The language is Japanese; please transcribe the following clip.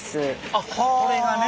あっこれがね